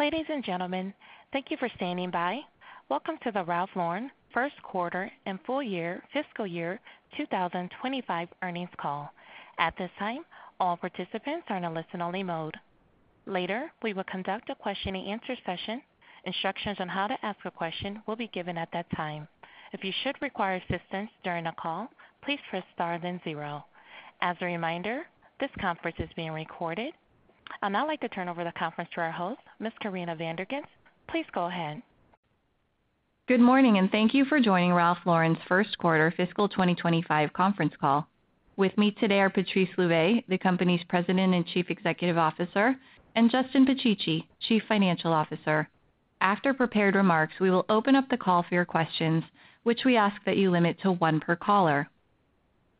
Ladies and gentlemen, thank you for standing by. Welcome to the Ralph Lauren first quarter and full year fiscal year 2025 earnings call. At this time, all participants are in a listen-only mode. Later, we will conduct a question-and-answer session. Instructions on how to ask a question will be given at that time. If you should require assistance during the call, please press star then zero. As a reminder, this conference is being recorded. I'd now like to turn over the conference to our host, Miss Corinna Van der Ghinst. Please go ahead. Good morning, and thank you for joining Ralph Lauren's first quarter fiscal 2025 conference call. With me today are Patrice Louvet, the company's President and Chief Executive Officer, and Justin Picicci, Chief Financial Officer. After prepared remarks, we will open up the call for your questions, which we ask that you limit to one per caller.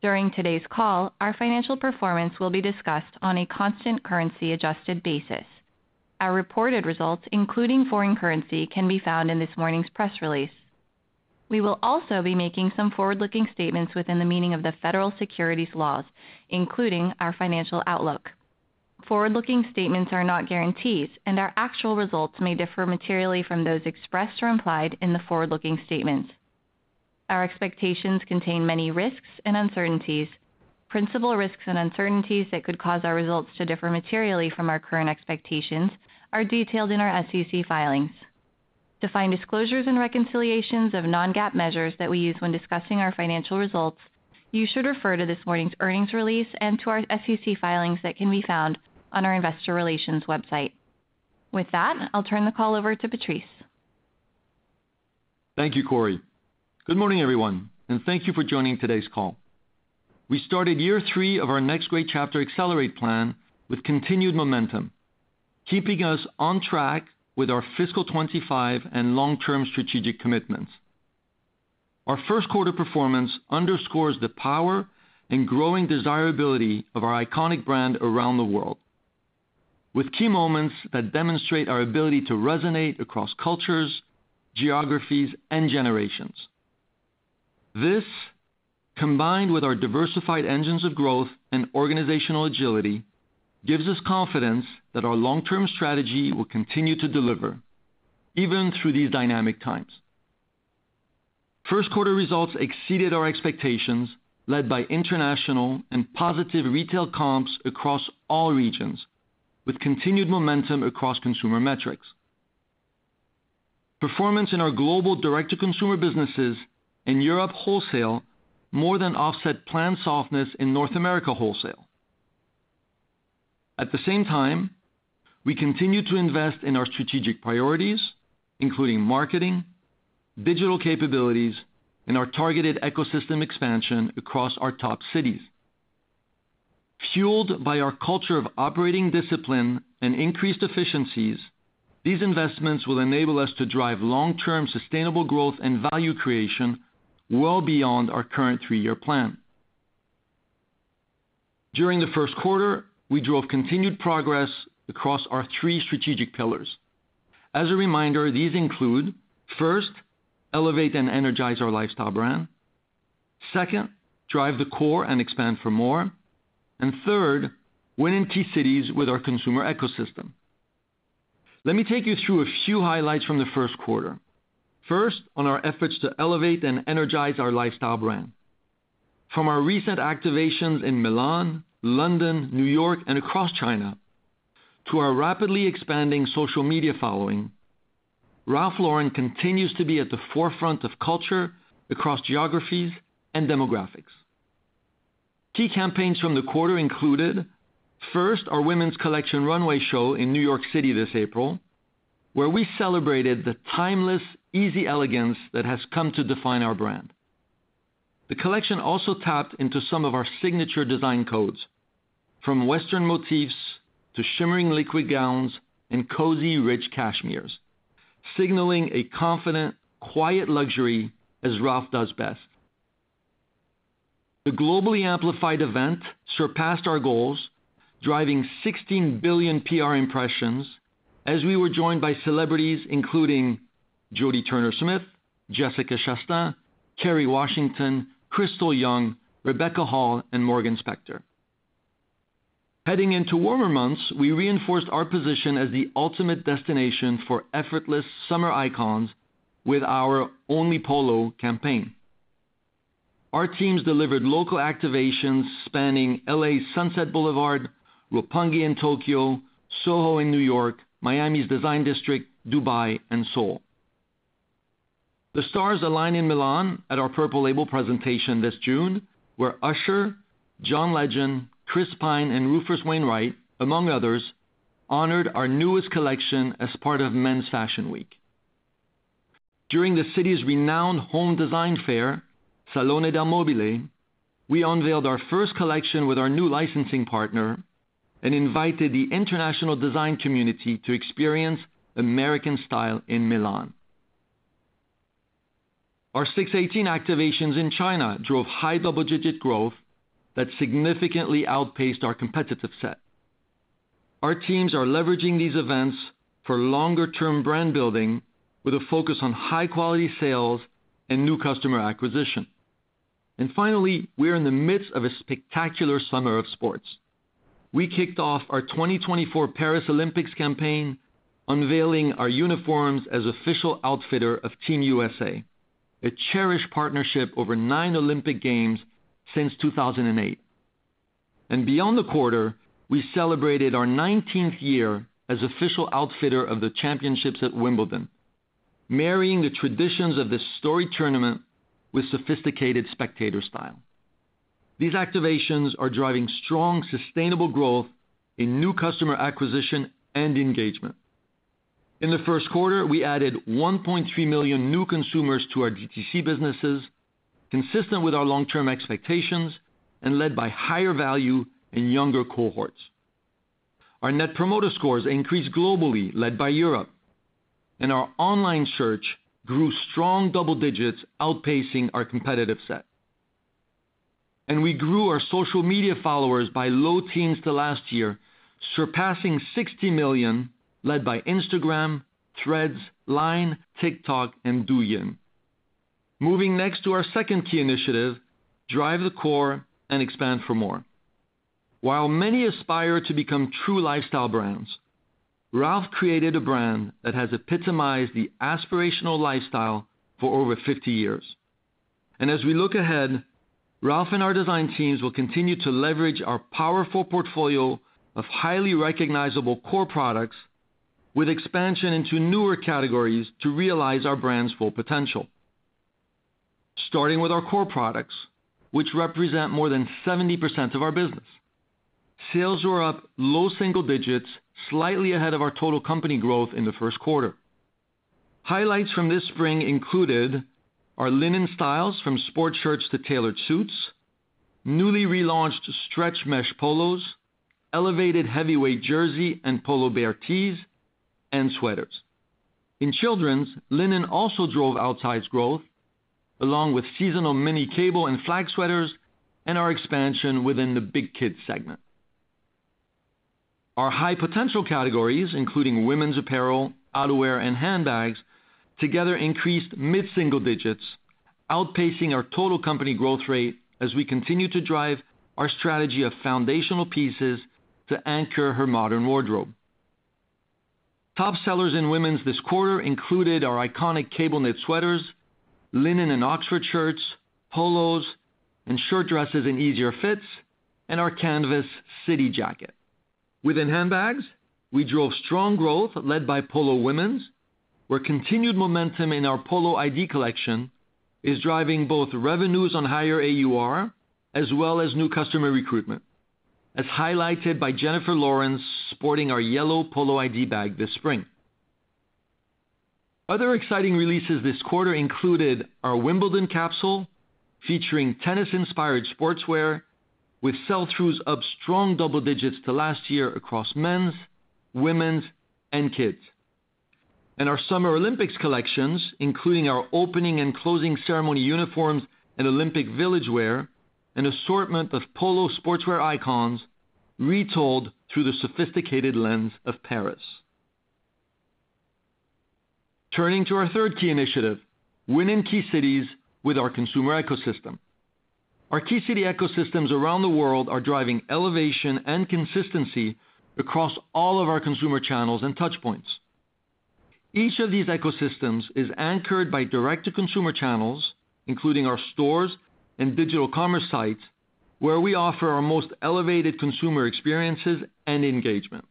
During today's call, our financial performance will be discussed on a constant currency-adjusted basis. Our reported results, including foreign currency, can be found in this morning's press release. We will also be making some forward-looking statements within the meaning of the federal securities laws, including our financial outlook. Forward-looking statements are not guarantees, and our actual results may differ materially from those expressed or implied in the forward-looking statements. Our expectations contain many risks and uncertainties. Principal risks and uncertainties that could cause our results to differ materially from our current expectations are detailed in our SEC filings. To find disclosures and reconciliations of non-GAAP measures that we use when discussing our financial results, you should refer to this morning's earnings release and to our SEC filings that can be found on our Investor Relations website. With that, I'll turn the call over to Patrice. Thank you, Cori. Good morning, everyone, and thank you for joining today's call. We started year three of our Next Great Chapter: Accelerate plan with continued momentum, keeping us on track with our fiscal 2025 and long-term strategic commitments. Our first quarter performance underscores the power and growing desirability of our iconic brand around the world, with key moments that demonstrate our ability to resonate across cultures, geographies, and generations. This, combined with our diversified engines of growth and organizational agility, gives us confidence that our long-term strategy will continue to deliver even through these dynamic times. First quarter results exceeded our expectations, led by international and positive retail comps across all regions, with continued momentum across consumer metrics. Performance in our global direct-to-consumer businesses and Europe wholesale more than offset planned softness in North America wholesale. At the same time, we continue to invest in our strategic priorities, including marketing, digital capabilities, and our targeted ecosystem expansion across our top cities. Fueled by our culture of operating discipline and increased efficiencies, these investments will enable us to drive long-term sustainable growth and value creation well beyond our current three-year plan. During the first quarter, we drove continued progress across our three strategic pillars. As a reminder, these include: first, elevate and energize our lifestyle brand; second, drive the core and expand for more; and third, win in key cities with our consumer ecosystem. Let me take you through a few highlights from the first quarter. First, on our efforts to elevate and energize our lifestyle brand. From our recent activations in Milan, London, New York, and across China to our rapidly expanding social media following, Ralph Lauren continues to be at the forefront of culture across geographies and demographics. Key campaigns from the quarter included: first, our women's collection runway show in New York City this April, where we celebrated the timeless, easy elegance that has come to define our brand. The collection also tapped into some of our signature design codes, from western motifs to shimmering liquid gowns and cozy rich cashmeres, signaling a confident, quiet luxury as Ralph does best. The globally amplified event surpassed our goals, driving 16 billion PR impressions as we were joined by celebrities including Jodie Turner-Smith, Jessica Chastain, Kerry Washington, Krystal Jung, Rebecca Hall, and Morgan Spector. Heading into warmer months, we reinforced our position as the ultimate destination for effortless summer icons with our Only Polo campaign. Our teams delivered local activations spanning LA's Sunset Boulevard, Roppongi in Tokyo, Soho in New York, Miami's Design District, Dubai, and Seoul. The stars aligned in Milan at our Purple Label presentation this June, where Usher, John Legend, Chris Pine, and Rufus Wainwright, among others, honored our newest collection as part of Men's Fashion Week. During the city's renowned home design fair, Salone del Mobile, we unveiled our first collection with our new licensing partner and invited the international design community to experience American style in Milan. Our 618 activations in China drove high double-digit growth that significantly outpaced our competitive set. Our teams are leveraging these events for longer-term brand building with a focus on high-quality sales and new customer acquisition. And finally, we're in the midst of a spectacular summer of sports. We kicked off our 2024 Paris Olympics campaign unveiling our uniforms as official outfitter of Team USA, a cherished partnership over 9 Olympic Games since 2008. Beyond the quarter, we celebrated our 19th year as official outfitter of the championships at Wimbledon, marrying the traditions of this storied tournament with sophisticated spectator style. These activations are driving strong sustainable growth in new customer acquisition and engagement. In the first quarter, we added 1.3 million new consumers to our DTC businesses, consistent with our long-term expectations and led by higher value and younger cohorts. Our Net Promoter scores increased globally, led by Europe, and our online search grew strong double digits, outpacing our competitive set. We grew our social media followers by low teens to last year, surpassing 60 million, led by Instagram, Threads, Line, TikTok, and Douyin. Moving next to our second key initiative, drive the core and expand for more. While many aspire to become true lifestyle brands, Ralph created a brand that has epitomized the aspirational lifestyle for over 50 years. As we look ahead, Ralph and our design teams will continue to leverage our powerful portfolio of highly recognizable core products with expansion into newer categories to realize our brand's full potential. Starting with our core products, which represent more than 70% of our business, sales were up low single digits, slightly ahead of our total company growth in the first quarter. Highlights from this spring included our linen styles from sport shirts to tailored suits, newly relaunched stretch mesh polos, elevated heavyweight jersey and Polo Bear tees, and sweaters. In children's, linen also drove outsized growth, along with seasonal mini cable and flag sweaters and our expansion within the big kids segment. Our high potential categories, including women's apparel, outerwear, and handbags, together increased mid-single digits, outpacing our total company growth rate as we continue to drive our strategy of foundational pieces to anchor her modern wardrobe. Top sellers in women's this quarter included our iconic cable knit sweaters, linen and oxford shirts, polos, and shirt dresses in easier fits, and our Canvas City Jacket. Within handbags, we drove strong growth, led by Polo women's, where continued momentum in our Polo ID collection is driving both revenues on higher AUR as well as new customer recruitment, as highlighted by Jennifer Lawrence sporting our yellow Polo ID bag this spring. Other exciting releases this quarter included our Wimbledon capsule featuring tennis-inspired sportswear with sell-throughs up strong double digits to last year across men's, women's, and kids. And our Summer Olympics collections, including our opening and closing ceremony uniforms and Olympic village wear, an assortment of polo sportswear icons retold through the sophisticated lens of Paris. Turning to our third key initiative, win in key cities with our consumer ecosystem. Our key city ecosystems around the world are driving elevation and consistency across all of our consumer channels and touchpoints. Each of these ecosystems is anchored by direct-to-consumer channels, including our stores and digital commerce sites, where we offer our most elevated consumer experiences and engagement.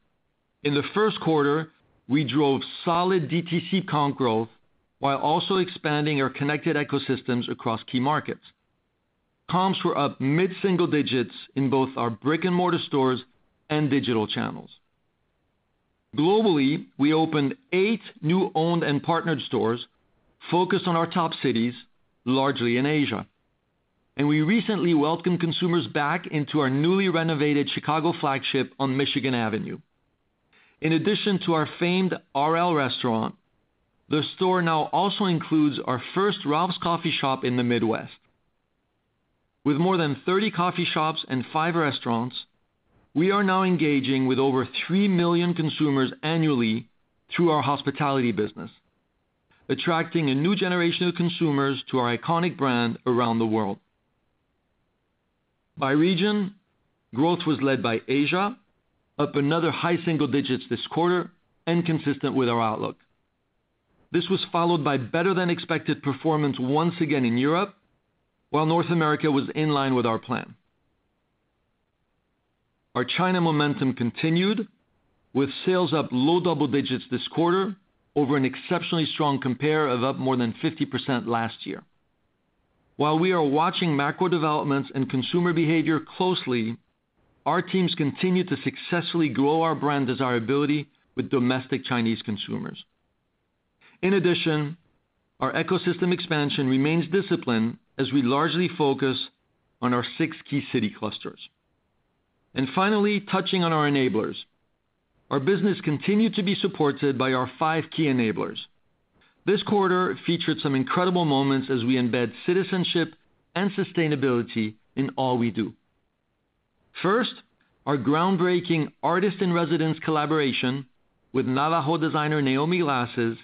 In the first quarter, we drove solid DTC comp growth while also expanding our connected ecosystems across key markets. Comps were up mid-single digits in both our brick-and-mortar stores and digital channels. Globally, we opened eight new owned and partnered stores focused on our top cities, largely in Asia. We recently welcomed consumers back into our newly renovated Chicago flagship on Michigan Avenue. In addition to our famed RL restaurant, the store now also includes our first Ralph's Coffee shop in the Midwest. With more than 30 coffee shops and 5 restaurants, we are now engaging with over 3 million consumers annually through our hospitality business, attracting a new generation of consumers to our iconic brand around the world. By region, growth was led by Asia, up another high single digits this quarter and consistent with our outlook. This was followed by better-than-expected performance once again in Europe, while North America was in line with our plan. Our China momentum continued, with sales up low double digits this quarter over an exceptionally strong compare of up more than 50% last year. While we are watching macro developments and consumer behavior closely, our teams continue to successfully grow our brand desirability with domestic Chinese consumers. In addition, our ecosystem expansion remains disciplined as we largely focus on our six key city clusters. And finally, touching on our enablers, our business continued to be supported by our five key enablers. This quarter featured some incredible moments as we embed citizenship and sustainability in all we do. First, our groundbreaking artist-in-residence collaboration with Navajo designer Naiomi Glasses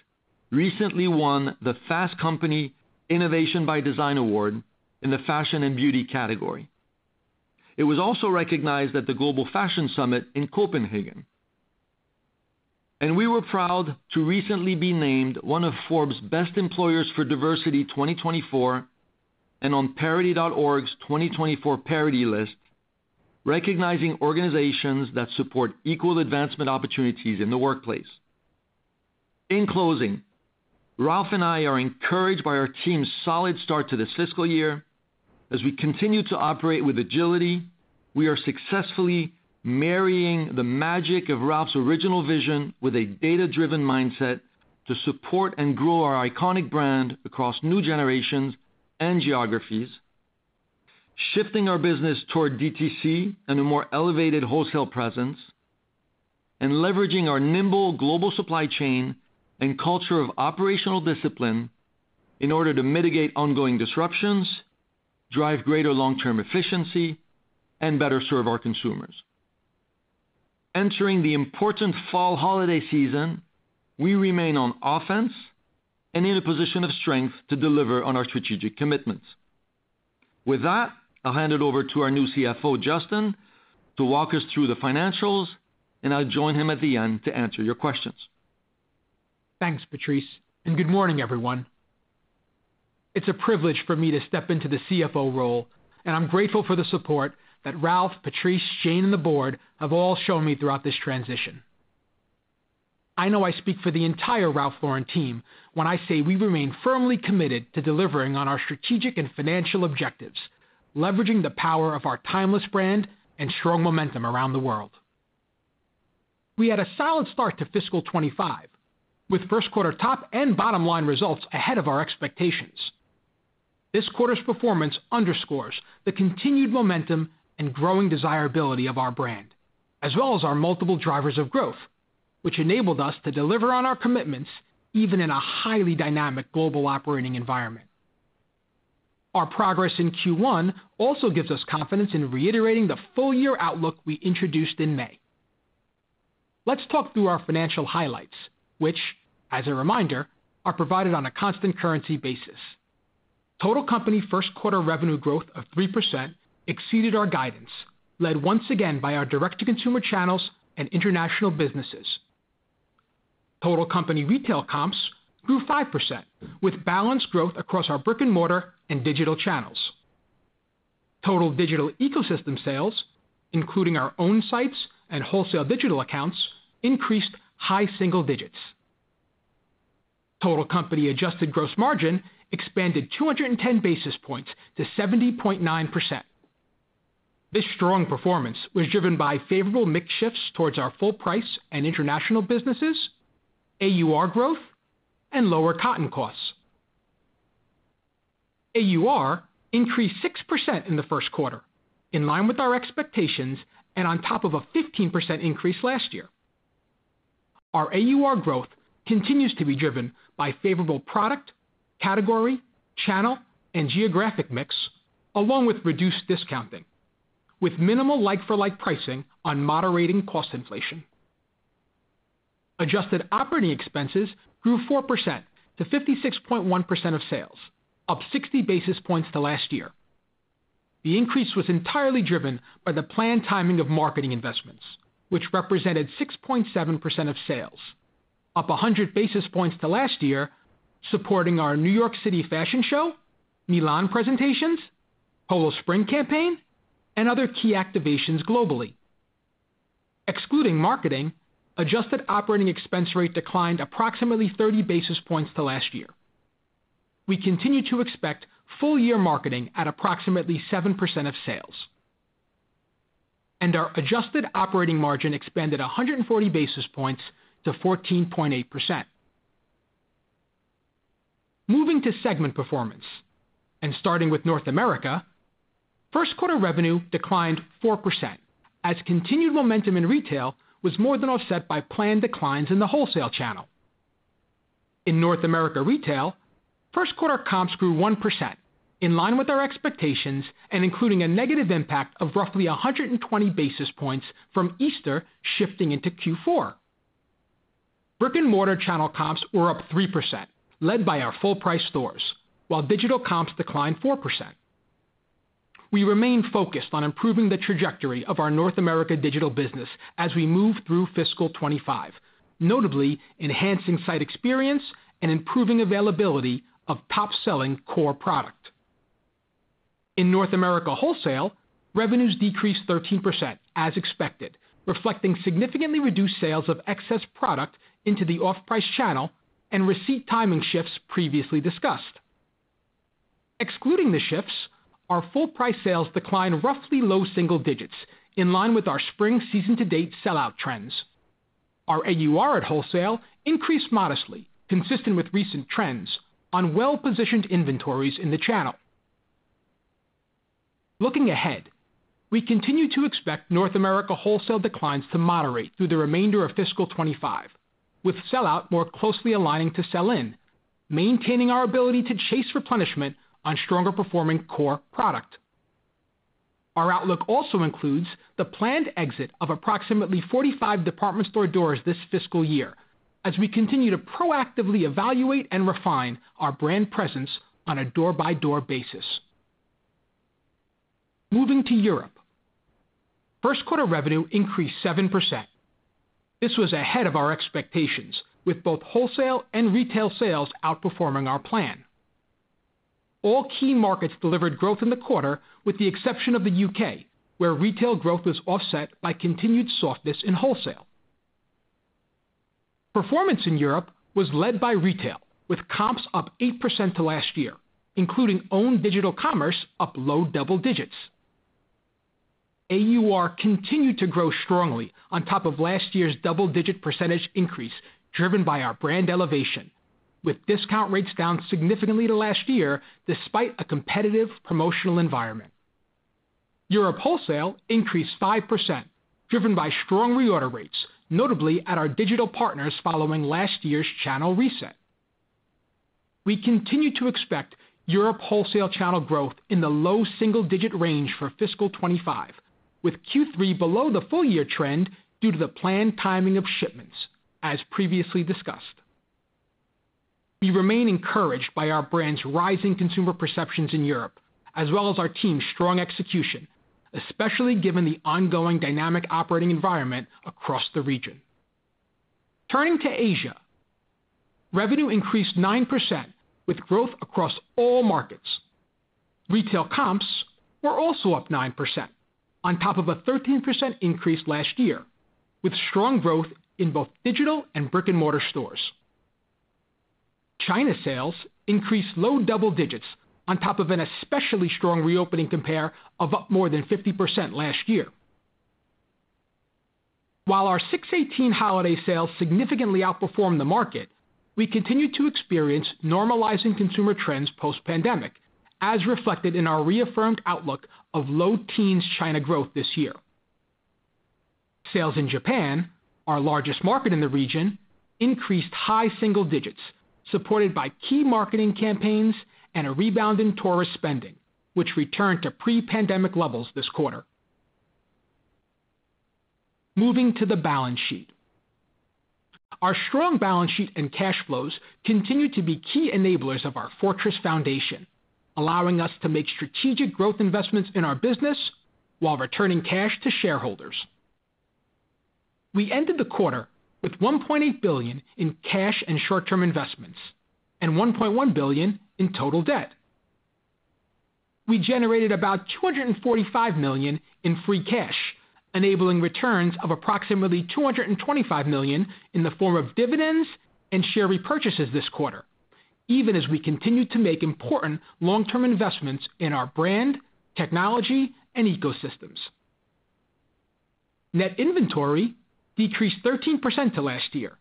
recently won the Fast Company Innovation by Design Award in the fashion and beauty category. It was also recognized at the Global Fashion Summit in Copenhagen. We were proud to recently be named one of Forbes' Best Employers for Diversity 2024 and on Parity.org's 2024 Parity List, recognizing organizations that support equal advancement opportunities in the workplace. In closing, Ralph and I are encouraged by our team's solid start to this fiscal year. As we continue to operate with agility, we are successfully marrying the magic of Ralph's original vision with a data-driven mindset to support and grow our iconic brand across new generations and geographies, shifting our business toward DTC and a more elevated wholesale presence, and leveraging our nimble global supply chain and culture of operational discipline in order to mitigate ongoing disruptions, drive greater long-term efficiency, and better serve our consumers. Entering the important fall holiday season, we remain on offense and in a position of strength to deliver on our strategic commitments. With that, I'll hand it over to our new CFO, Justin, to walk us through the financials, and I'll join him at the end to answer your questions. Thanks, Patrice. Good morning, everyone. It's a privilege for me to step into the CFO role, and I'm grateful for the support that Ralph, Patrice, Jane, and the board have all shown me throughout this transition. I know I speak for the entire Ralph Lauren team when I say we remain firmly committed to delivering on our strategic and financial objectives, leveraging the power of our timeless brand and strong momentum around the world. We had a solid start to fiscal 2025, with first quarter top and bottom line results ahead of our expectations. This quarter's performance underscores the continued momentum and growing desirability of our brand, as well as our multiple drivers of growth, which enabled us to deliver on our commitments even in a highly dynamic global operating environment. Our progress in Q1 also gives us confidence in reiterating the full year outlook we introduced in May. Let's talk through our financial highlights, which, as a reminder, are provided on a constant currency basis. Total company first quarter revenue growth of 3% exceeded our guidance, led once again by our direct-to-consumer channels and international businesses. Total company retail comps grew 5%, with balanced growth across our brick-and-mortar and digital channels. Total digital ecosystem sales, including our own sites and wholesale digital accounts, increased high single digits. Total company adjusted gross margin expanded 210 basis points to 70.9%. This strong performance was driven by favorable mix shifts towards our full price and international businesses, AUR growth, and lower cotton costs. AUR increased 6% in the first quarter, in line with our expectations and on top of a 15% increase last year. Our AUR growth continues to be driven by favorable product, category, channel, and geographic mix, along with reduced discounting, with minimal like-for-like pricing on moderating cost inflation. Adjusted operating expenses grew 4%-56.1% of sales, up 60 basis points to last year. The increase was entirely driven by the planned timing of marketing investments, which represented 6.7% of sales, up 100 basis points to last year, supporting our New York City fashion show, Milan presentations, Polo Spring campaign, and other key activations globally. Excluding marketing, adjusted operating expense rate declined approximately 30 basis points to last year. We continue to expect full year marketing at approximately 7% of sales. Our adjusted operating margin expanded 140 basis points to 14.8%. Moving to segment performance, and starting with North America, first quarter revenue declined 4%, as continued momentum in retail was more than offset by planned declines in the wholesale channel. In North America retail, first quarter comps grew 1%, in line with our expectations and including a negative impact of roughly 120 basis points from Easter shifting into Q4. Brick-and-mortar channel comps were up 3%, led by our full price stores, while digital comps declined 4%. We remain focused on improving the trajectory of our North America digital business as we move through fiscal 2025, notably enhancing site experience and improving availability of top-selling core product. In North America wholesale, revenues decreased 13% as expected, reflecting significantly reduced sales of excess product into the off-price channel and receipt timing shifts previously discussed. Excluding the shifts, our full price sales declined roughly low single digits, in line with our spring season-to-date sellout trends. Our AUR at wholesale increased modestly, consistent with recent trends on well-positioned inventories in the channel. Looking ahead, we continue to expect North America wholesale declines to moderate through the remainder of fiscal 2025, with sellout more closely aligning to sell-in, maintaining our ability to chase replenishment on stronger-performing core product. Our outlook also includes the planned exit of approximately 45 department store doors this fiscal year, as we continue to proactively evaluate and refine our brand presence on a door-by-door basis. Moving to Europe, first quarter revenue increased 7%. This was ahead of our expectations, with both wholesale and retail sales outperforming our plan. All key markets delivered growth in the quarter, with the exception of the U.K., where retail growth was offset by continued softness in wholesale. Performance in Europe was led by retail, with comps up 8% to last year, including own digital commerce up low double digits. AUR continued to grow strongly on top of last year's double-digit percentage increase driven by our brand elevation, with discount rates down significantly to last year despite a competitive promotional environment. Europe wholesale increased 5%, driven by strong reorder rates, notably at our digital partners following last year's channel reset. We continue to expect Europe wholesale channel growth in the low single-digit range for fiscal 2025, with Q3 below the full year trend due to the planned timing of shipments, as previously discussed. We remain encouraged by our brand's rising consumer perceptions in Europe, as well as our team's strong execution, especially given the ongoing dynamic operating environment across the region. Turning to Asia, revenue increased 9%, with growth across all markets. Retail comps were also up 9%, on top of a 13% increase last year, with strong growth in both digital and brick-and-mortar stores. China sales increased low double digits on top of an especially strong reopening comp of up more than 50% last year. While our 618 holiday sales significantly outperformed the market, we continue to experience normalizing consumer trends post-pandemic, as reflected in our reaffirmed outlook of low teens China growth this year. Sales in Japan, our largest market in the region, increased high single digits, supported by key marketing campaigns and a rebound in tourist spending, which returned to pre-pandemic levels this quarter. Moving to the balance sheet, our strong balance sheet and cash flows continue to be key enablers of our fortress foundation, allowing us to make strategic growth investments in our business while returning cash to shareholders. We ended the quarter with $1.8 billion in cash and short-term investments, and $1.1 billion in total debt. We generated about $245 million in free cash, enabling returns of approximately $225 million in the form of dividends and share repurchases this quarter, even as we continue to make important long-term investments in our brand, technology, and ecosystems. Net inventory decreased 13% to last year,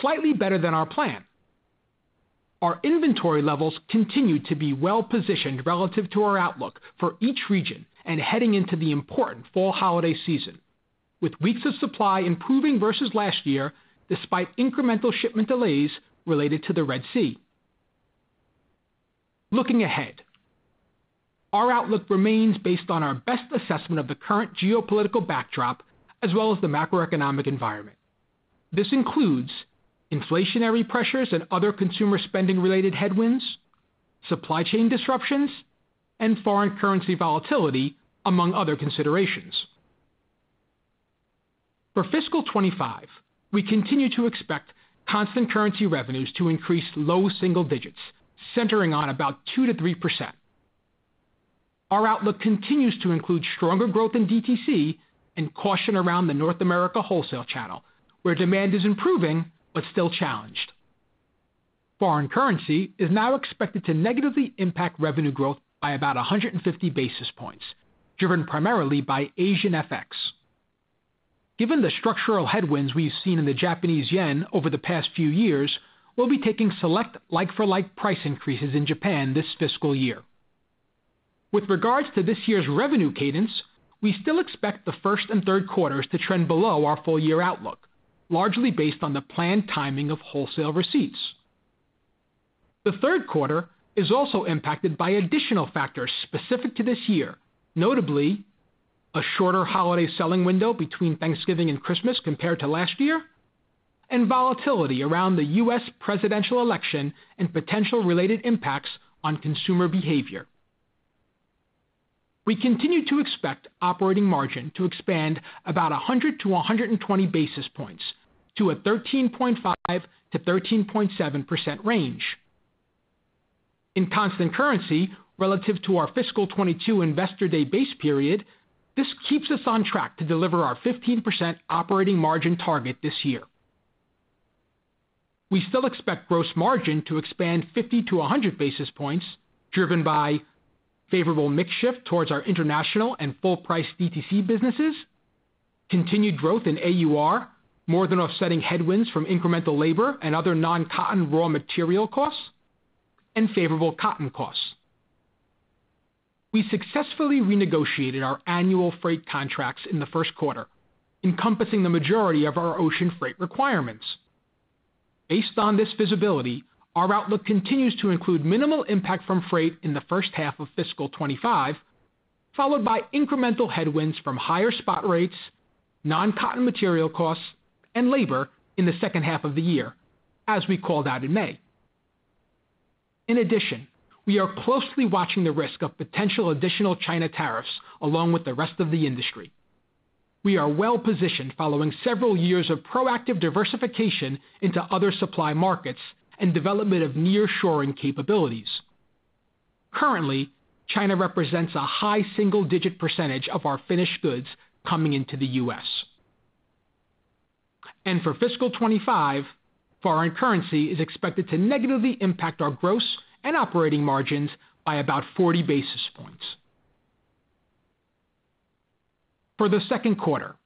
slightly better than our plan. Our inventory levels continue to be well-positioned relative to our outlook for each region and heading into the important fall holiday season, with weeks of supply improving versus last year, despite incremental shipment delays related to the Red Sea. Looking ahead, our outlook remains based on our best assessment of the current geopolitical backdrop, as well as the macroeconomic environment. This includes inflationary pressures and other consumer spending-related headwinds, supply chain disruptions, and foreign currency volatility, among other considerations. For fiscal 2025, we continue to expect constant currency revenues to increase low single digits, centering on about 2%-3%. Our outlook continues to include stronger growth in DTC and caution around the North America wholesale channel, where demand is improving but still challenged. Foreign currency is now expected to negatively impact revenue growth by about 150 basis points, driven primarily by Asian FX. Given the structural headwinds we've seen in the Japanese yen over the past few years, we'll be taking select like-for-like price increases in Japan this fiscal year. With regards to this year's revenue cadence, we still expect the first and third quarters to trend below our full year outlook, largely based on the planned timing of wholesale receipts. The third quarter is also impacted by additional factors specific to this year, notably a shorter holiday selling window between Thanksgiving and Christmas compared to last year, and volatility around the U.S. presidential election and potential related impacts on consumer behavior. We continue to expect operating margin to expand about 100-120 basis points to a 13.5%-13.7% range. In constant currency relative to our fiscal 2022 investor day base period, this keeps us on track to deliver our 15% operating margin target this year. We still expect gross margin to expand 50-100 basis points, driven by favorable mix shift towards our international and full price DTC businesses, continued growth in AUR, more than offsetting headwinds from incremental labor and other non-cotton raw material costs, and favorable cotton costs. We successfully renegotiated our annual freight contracts in the first quarter, encompassing the majority of our ocean freight requirements. Based on this visibility, our outlook continues to include minimal impact from freight in the first half of fiscal 2025, followed by incremental headwinds from higher spot rates, non-cotton material costs, and labor in the second half of the year, as we called out in May. In addition, we are closely watching the risk of potential additional China tariffs along with the rest of the industry. We are well-positioned following several years of proactive diversification into other supply markets and development of near-shoring capabilities. Currently, China represents a high single-digit percentage of our finished goods coming into the U.S. For fiscal 2025, foreign currency is expected to negatively impact our gross and operating margins by about 40 basis points. For the second quarter,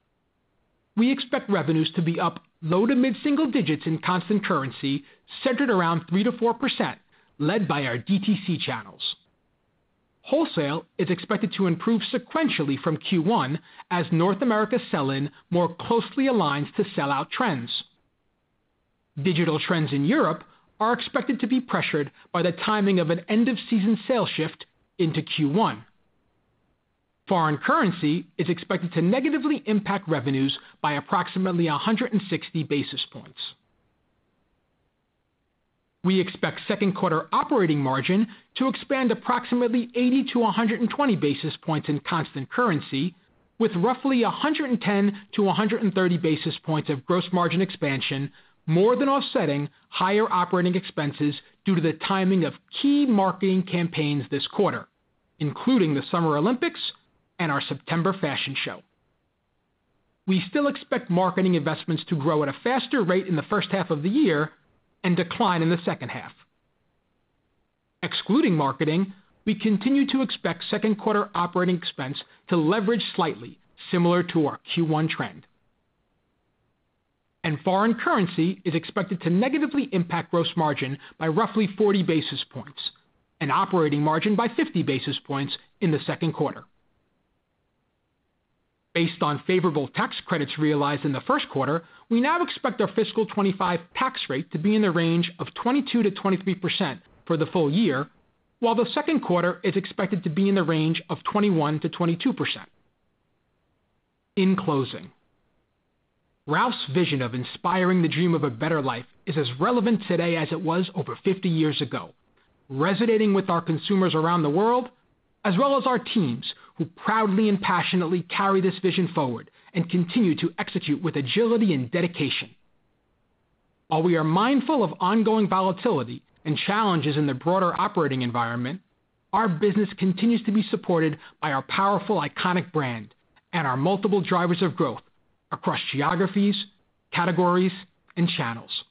we expect revenues to be up low to mid single digits in constant currency, centered around 3-4%, led by our DTC channels. Wholesale is expected to improve sequentially from Q1, as North America sell in more closely aligns to sellout trends. Digital trends in Europe are expected to be pressured by the timing of an end-of-season sale shift into Q1. Foreign currency is expected to negatively impact revenues by approximately 160 basis points. We expect second quarter operating margin to expand approximately 80-120 basis points in constant currency, with roughly 110-130 basis points of gross margin expansion, more than offsetting higher operating expenses due to the timing of key marketing campaigns this quarter, including the Summer Olympics and our September fashion show. We still expect marketing investments to grow at a faster rate in the first half of the year and decline in the second half. Excluding marketing, we continue to expect second quarter operating expense to leverage slightly, similar to our Q1 trend. Foreign currency is expected to negatively impact gross margin by roughly 40 basis points and operating margin by 50 basis points in the second quarter. Based on favorable tax credits realized in the first quarter, we now expect our fiscal 2025 tax rate to be in the range of 22%-23% for the full year, while the second quarter is expected to be in the range of 21%-22%. In closing, Ralph's vision of inspiring the dream of a better life is as relevant today as it was over 50 years ago, resonating with our consumers around the world, as well as our teams who proudly and passionately carry this vision forward and continue to execute with agility and dedication. While we are mindful of ongoing volatility and challenges in the broader operating environment, our business continues to be supported by our powerful iconic brand and our multiple drivers of growth across geographies, categories, and channels.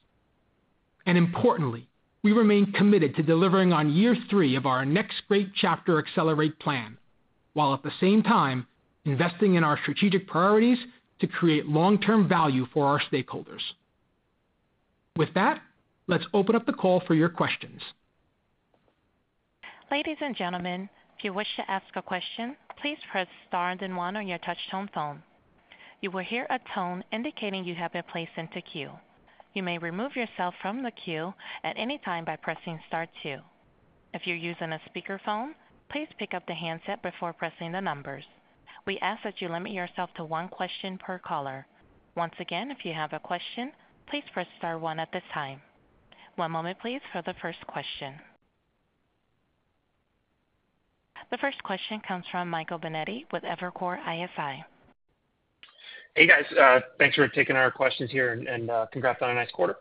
Importantly, we remain committed to delivering on year three of our Next Great Chapter Accelerate plan, while at the same time investing in our strategic priorities to create long-term value for our stakeholders. With that, let's open up the call for your questions. Ladies and gentlemen, if you wish to ask a question, please press star and then one on your touch-tone phone. You will hear a tone indicating you have been placed into queue. You may remove yourself from the queue at any time by pressing star two. If you're using a speakerphone, please pick up the handset before pressing the numbers. We ask that you limit yourself to one question per caller. Once again, if you have a question, please press star one at this time. One moment, please, for the first question. The first question comes from Michael Binetti with Evercore ISI. Hey, guys. Thanks for taking our questions here and congrats on a nice quarter.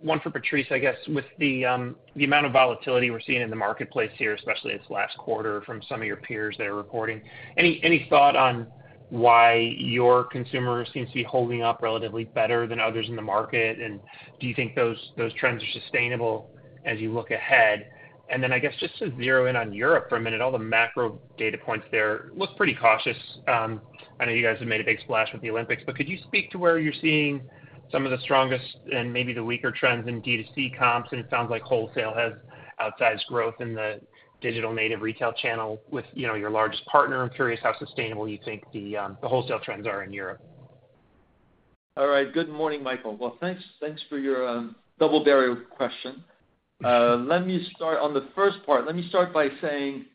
One for Patrice, I guess, with the amount of volatility we're seeing in the marketplace here, especially this last quarter from some of your peers that are reporting. Any thought on why your consumer seems to be holding up relatively better than others in the market? And do you think those trends are sustainable as you look ahead? And then I guess just to zero in on Europe for a minute, all the macro data points there look pretty cautious. I know you guys have made a big splash with the Olympics, but could you speak to where you're seeing some of the strongest and maybe the weaker trends in DTC comps? And it sounds like wholesale has outsized growth in the digital native retail channel with your largest partner. I'm curious how sustainable you think the wholesale trends are in Europe. All right. Good morning, Michael. Well, thanks for your double-barreled question. Let me start on the first part. Let me start by saying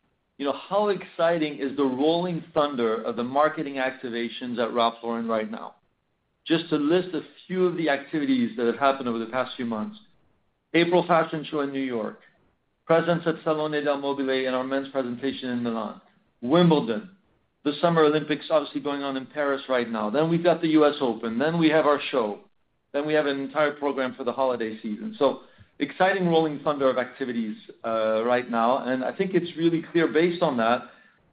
how exciting is the rolling thunder of the marketing activations at Ralph Lauren right now? Just to list a few of the activities that have happened over the past few months: April Fashion Show in New York, presence at Salone del Mobile, and our men's presentation in Milan, Wimbledon, the Summer Olympics obviously going on in Paris right now. Then we've got the US Open. Then we have our show. Then we have an entire program for the holiday season. So exciting rolling thunder of activities right now. And I think it's really clear based on that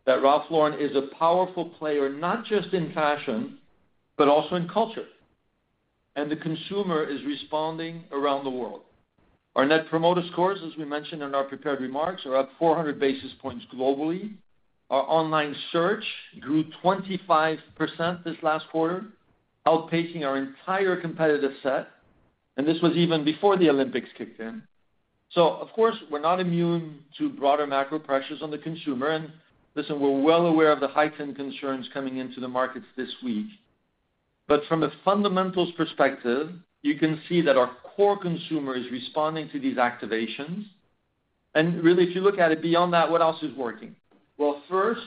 that Ralph Lauren is a powerful player, not just in fashion, but also in culture. And the consumer is responding around the world. Our net promoter scores, as we mentioned in our prepared remarks, are up 400 basis points globally. Our online search grew 25% this last quarter, outpacing our entire competitive set. And this was even before the Olympics kicked in. So, of course, we're not immune to broader macro pressures on the consumer. And listen, we're well aware of the heightened concerns coming into the markets this week. But from a fundamentals perspective, you can see that our core consumer is responding to these activations. And really, if you look at it beyond that, what else is working? Well, first,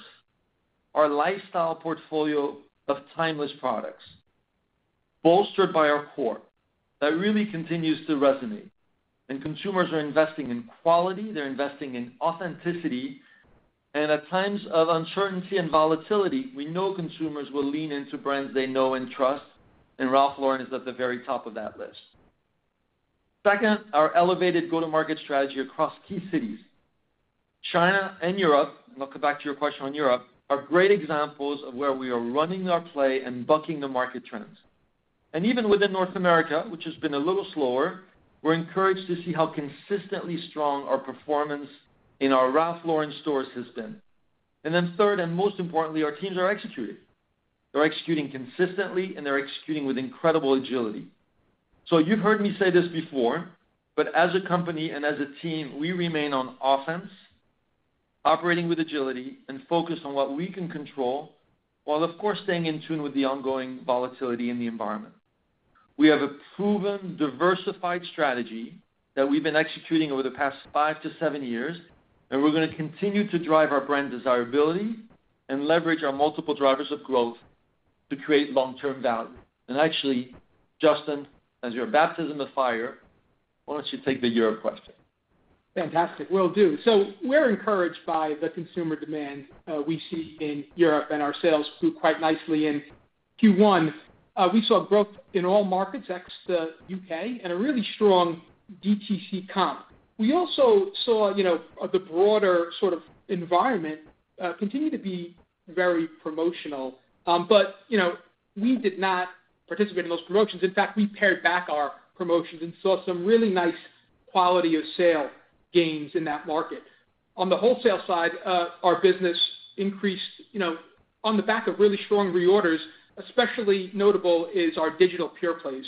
our lifestyle portfolio of timeless products, bolstered by our core, that really continues to resonate. And consumers are investing in quality. They're investing in authenticity. And at times of uncertainty and volatility, we know consumers will lean into brands they know and trust. And Ralph Lauren is at the very top of that list. Second, our elevated go-to-market strategy across key cities. China and Europe, and I'll come back to your question on Europe, are great examples of where we are running our play and bucking the market trends. And even within North America, which has been a little slower, we're encouraged to see how consistently strong our performance in our Ralph Lauren stores has been. And then third, and most importantly, our teams are executing. They're executing consistently, and they're executing with incredible agility. So you've heard me say this before, but as a company and as a team, we remain on offense, operating with agility and focused on what we can control, while, of course, staying in tune with the ongoing volatility in the environment. We have a proven, diversified strategy that we've been executing over the past 5-7 years, and we're going to continue to drive our brand desirability and leverage our multiple drivers of growth to create long-term value. And actually, Justin, as your baptism of fire, why don't you take the Europe question? Fantastic. Will do. So we're encouraged by the consumer demand we see in Europe, and our sales grew quite nicely in Q1. We saw growth in all markets except the UK and a really strong DTC comp. We also saw the broader sort of environment continue to be very promotional. But we did not participate in those promotions. In fact, we pared back our promotions and saw some really nice quality of sale gains in that market. On the wholesale side, our business increased on the back of really strong reorders. Especially notable is our digital pure plays.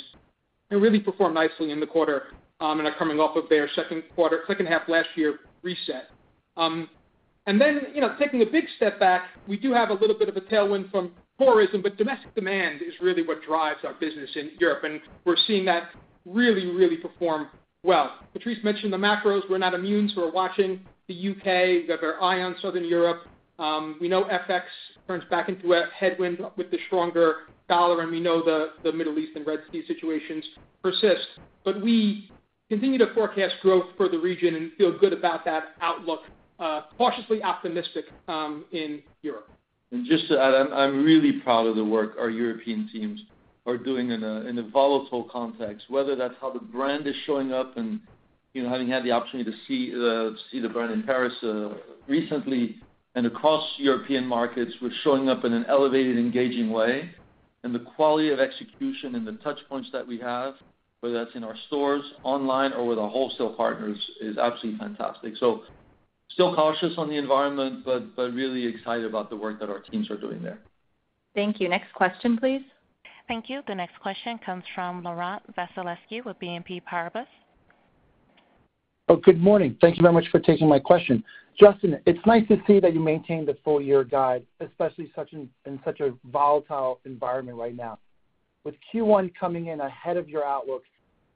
They really performed nicely in the quarter and are coming off of their second quarter, second half last year reset. And then taking a big step back, we do have a little bit of a tailwind from tourism, but domestic demand is really what drives our business in Europe. And we're seeing that really, really perform well. Patrice mentioned the macros. We're not immune. So we're watching the U.K. We have our eye on Southern Europe. We know FX turns back into a headwind with the stronger dollar, and we know the Middle East and Red Sea situations persist. But we continue to forecast growth for the region and feel good about that outlook, cautiously optimistic in Europe. And just to add, I'm really proud of the work our European teams are doing in a volatile context, whether that's how the brand is showing up and having had the opportunity to see the brand in Paris recently and across European markets was showing up in an elevated, engaging way. And the quality of execution and the touchpoints that we have, whether that's in our stores, online, or with our wholesale partners, is absolutely fantastic. So still cautious on the environment, but really excited about the work that our teams are doing there. Thank you. Next question, please. Thank you. The next question comes from Laurent Vasilescu with BNP Paribas. Good morning. Thank you very much for taking my question. Justin, it's nice to see that you maintain the full-year guide, especially in such a volatile environment right now. With Q1 coming in ahead of your outlook,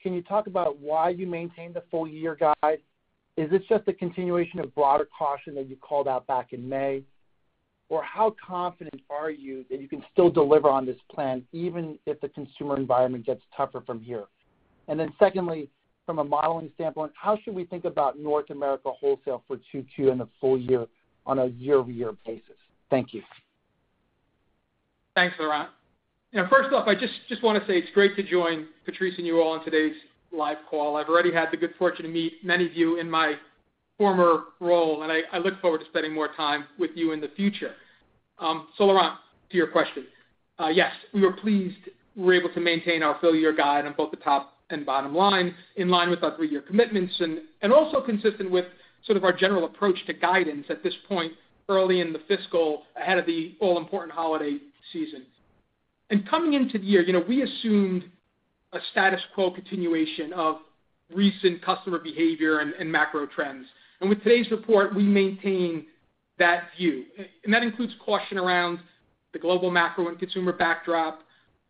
can you talk about why you maintain the full-year guide? Is it just a continuation of broader caution that you called out back in May? Or how confident are you that you can still deliver on this plan even if the consumer environment gets tougher from here? And then secondly, from a modeling standpoint, how should we think about North America wholesale for Q2 and the full year on a year-over-year basis? Thank you. Thanks, Laurent. First off, I just want to say it's great to join Patrice and you all on today's live call. I've already had the good fortune to meet many of you in my former role, and I look forward to spending more time with you in the future. So Laurent, to your question, yes, we were pleased we were able to maintain our full-year guide on both the top and bottom line, in line with our 3-year commitments and also consistent with sort of our general approach to guidance at this point early in the fiscal ahead of the all-important holiday season. Coming into the year, we assumed a status quo continuation of recent customer behavior and macro trends. With today's report, we maintain that view. That includes caution around the global macro and consumer backdrop,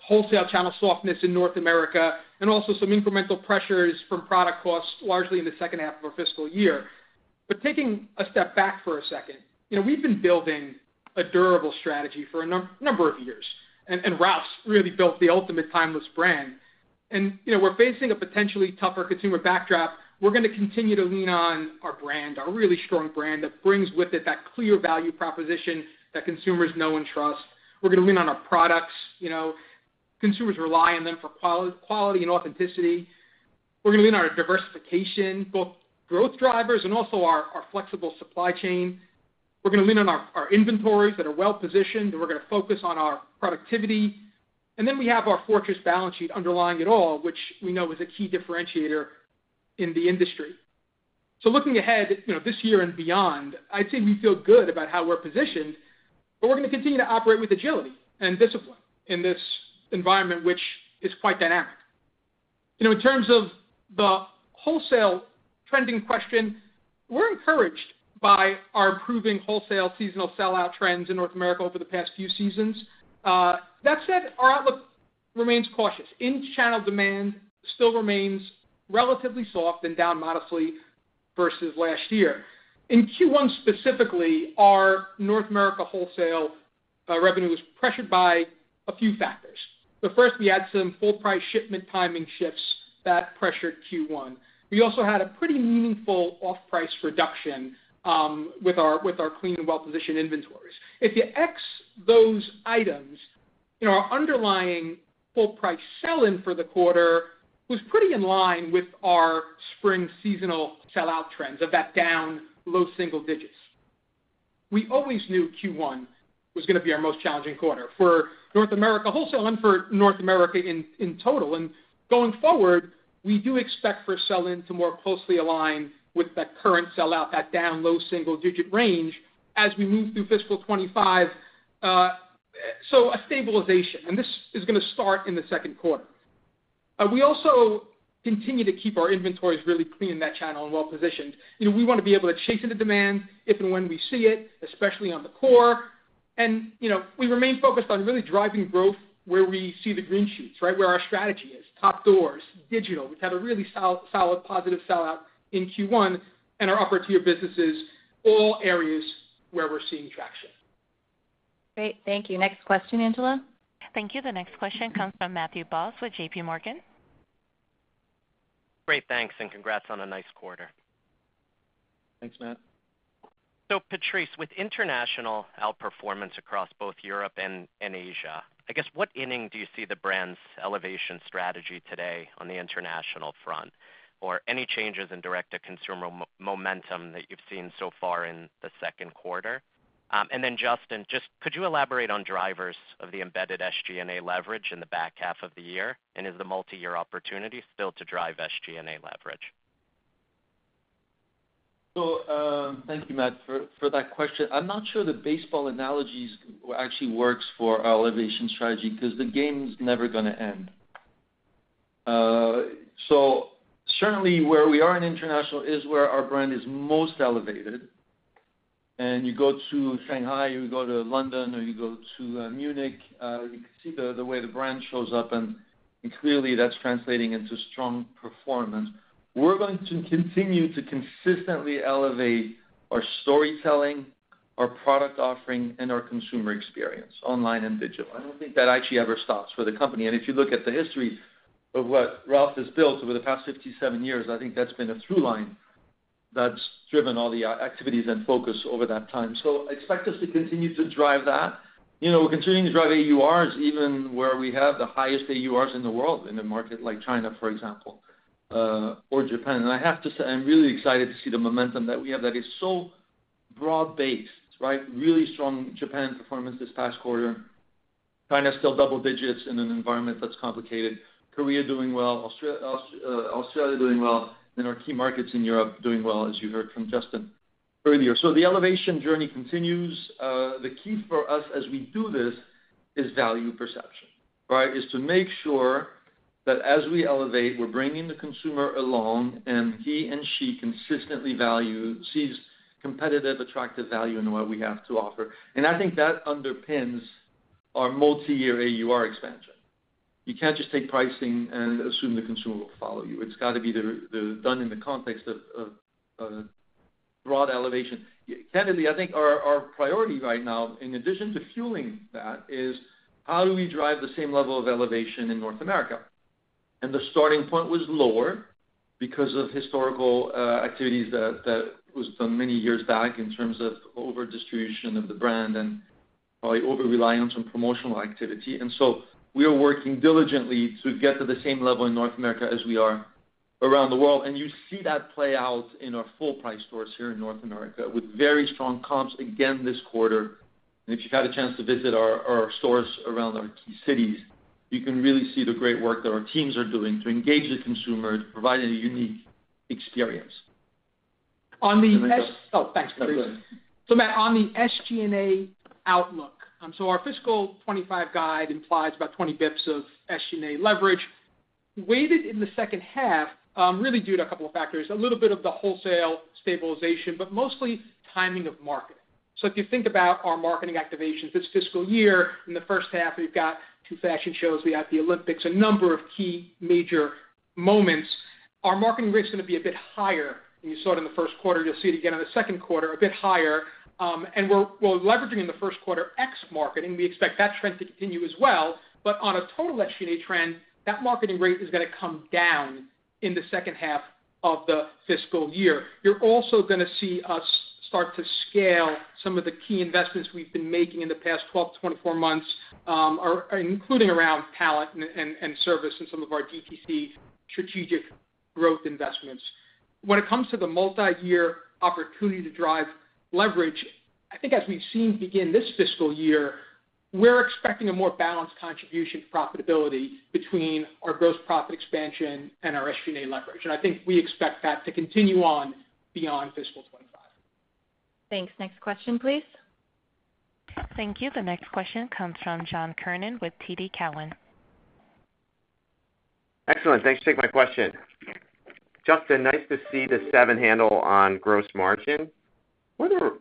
wholesale channel softness in North America, and also some incremental pressures from product costs, largely in the second half of our fiscal year. Taking a step back for a second, we've been building a durable strategy for a number of years. Ralph's really built the ultimate timeless brand. We're facing a potentially tougher consumer backdrop. We're going to continue to lean on our brand, our really strong brand that brings with it that clear value proposition that consumers know and trust. We're going to lean on our products. Consumers rely on them for quality and authenticity. We're going to lean on our diversification, both growth drivers and also our flexible supply chain. We're going to lean on our inventories that are well-positioned, and we're going to focus on our productivity. Then we have our fortress balance sheet underlying it all, which we know is a key differentiator in the industry. Looking ahead this year and beyond, I'd say we feel good about how we're positioned, but we're going to continue to operate with agility and discipline in this environment, which is quite dynamic. In terms of the wholesale trending question, we're encouraged by our improving wholesale seasonal sellout trends in North America over the past few seasons. That said, our outlook remains cautious. In-channel demand still remains relatively soft and down modestly versus last year. In Q1 specifically, our North America wholesale revenue was pressured by a few factors. But first, we had some full-price shipment timing shifts that pressured Q1. We also had a pretty meaningful off-price reduction with our clean and well-positioned inventories. If you X those items, our underlying full-price sell-in for the quarter was pretty in line with our spring seasonal sellout trends of that down, low single digits. We always knew Q1 was going to be our most challenging quarter for North America wholesale and for North America in total. Going forward, we do expect for sell-in to more closely align with that current sellout, that down, low single digit range as we move through fiscal 2025. A stabilization. This is going to start in the second quarter. We also continue to keep our inventories really clean in that channel and well-positioned. We want to be able to chase into demand if and when we see it, especially on the core. We remain focused on really driving growth where we see the green shoots, right, where our strategy is, top doors, digital, which had a really solid positive sellout in Q1, and our upper-tier businesses, all areas where we're seeing traction. Great. Thank you. Next question, Angela? Thank you. The next question comes from Matthew Boss with JPMorgan. Great. Thanks. Congrats on a nice quarter. Thanks, Matt. So, Patrice, with international outperformance across both Europe and Asia, I guess what inning do you see the brand's elevation strategy today on the international front, or any changes in direct-to-consumer momentum that you've seen so far in the second quarter? And then, Justin, just could you elaborate on drivers of the embedded SG&A leverage in the back half of the year? And is the multi-year opportunity still to drive SG&A leverage? Well, thank you, Matt, for that question. I'm not sure the baseball analogy actually works for our elevation strategy because the game's never going to end. So certainly, where we are in international is where our brand is most elevated. And you go to Shanghai, or you go to London, or you go to Munich, you can see the way the brand shows up. And clearly, that's translating into strong performance. We're going to continue to consistently elevate our storytelling, our product offering, and our consumer experience, online and digital. I don't think that actually ever stops for the company. And if you look at the history of what Ralph has built over the past 57 years, I think that's been a through line that's driven all the activities and focus over that time. So expect us to continue to drive that. We're continuing to drive AURs, even where we have the highest AURs in the world in a market like China, for example, or Japan. And I have to say, I'm really excited to see the momentum that we have that is so broad-based, right? Really strong Japan performance this past quarter. China's still double digits in an environment that's complicated. Korea doing well, Australia doing well, and our key markets in Europe doing well, as you heard from Justin earlier. So the elevation journey continues. The key for us as we do this is value perception, right? Is to make sure that as we elevate, we're bringing the consumer along, and he and she consistently sees competitive, attractive value in what we have to offer. And I think that underpins our multi-year AUR expansion. You can't just take pricing and assume the consumer will follow you. It's got to be done in the context of broad elevation. Candidly, I think our priority right now, in addition to fueling that, is how do we drive the same level of elevation in North America? The starting point was lower because of historical activities that was done many years back in terms of over-distribution of the brand and probably over-reliance on promotional activity. So we are working diligently to get to the same level in North America as we are around the world. And you see that play out in our full-price stores here in North America with very strong comps again this quarter. And if you've had a chance to visit our stores around our key cities, you can really see the great work that our teams are doing to engage the consumer, to provide a unique experience. On the. Oh, thanks, Patrice. So Matt, on the SG&A outlook, so our fiscal 2025 guide implies about 20 basis points of SG&A leverage. Weighted in the second half, really due to a couple of factors, a little bit of the wholesale stabilization, but mostly timing of marketing. So if you think about our marketing activations this fiscal year, in the first half, we've got 2 fashion shows, we've got the Olympics, a number of key major moments. Our marketing spend is going to be a bit higher than you saw it in the first quarter. You'll see it again in the second quarter, a bit higher. And we're leveraging in the first quarter ex marketing. We expect that trend to continue as well. But on a total SG&A trend, that marketing rate is going to come down in the second half of the fiscal year. You're also going to see us start to scale some of the key investments we've been making in the past 12-24 months, including around talent and service and some of our DTC strategic growth investments. When it comes to the multi-year opportunity to drive leverage, I think as we've seen begin this fiscal year, we're expecting a more balanced contribution to profitability between our gross profit expansion and our SG&A leverage. I think we expect that to continue on beyond fiscal 2025. Thanks. Next question, please. Thank you. The next question comes from John Kernan with TD Cowen. Excellent. Thanks for taking my question. Justin, nice to see the 7 handle on gross margin.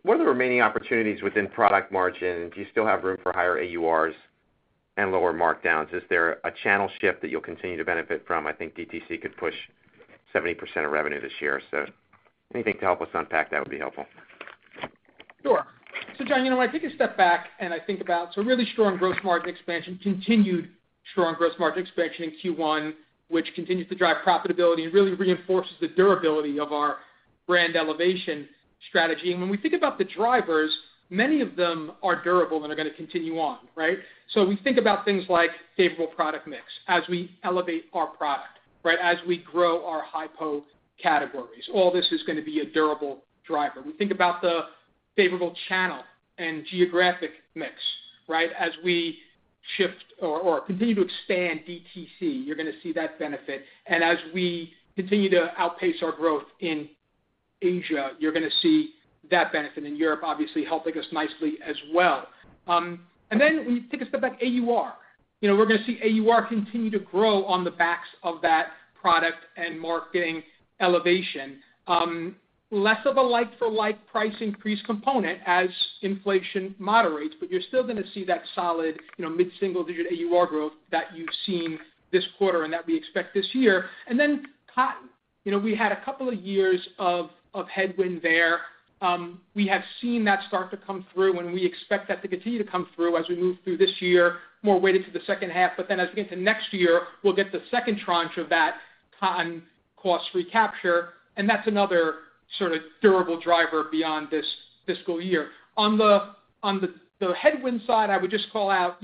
What are the remaining opportunities within product margin? Do you still have room for higher AURs and lower markdowns? Is there a channel shift that you'll continue to benefit from? I think DTC could push 70% of revenue this year. So anything to help us unpack that would be helpful. Sure. So John, I take a step back and I think about some really strong gross margin expansion, continued strong gross margin expansion in Q1, which continues to drive profitability and really reinforces the durability of our brand elevation strategy. And when we think about the drivers, many of them are durable and are going to continue on, right? So we think about things like favorable product mix as we elevate our product, right? As we grow our high-potential categories, all this is going to be a durable driver. We think about the favorable channel and geographic mix, right? As we shift or continue to expand DTC, you're going to see that benefit. And as we continue to outpace our growth in Asia, you're going to see that benefit in Europe, obviously helping us nicely as well. And then when you take a step back, AUR. We're going to see AUR continue to grow on the backs of that product and marketing elevation. Less of a like-for-like price increase component as inflation moderates, but you're still going to see that solid mid-single-digit AUR growth that you've seen this quarter and that we expect this year. And then cotton, we had a couple of years of headwind there. We have seen that start to come through, and we expect that to continue to come through as we move through this year, more weighted to the second half. But then as we get to next year, we'll get the second tranche of that cotton cost recapture. That's another sort of durable driver beyond this fiscal year. On the headwind side, I would just call out